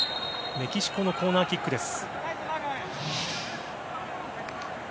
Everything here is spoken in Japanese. メキシコのコーナーキックです。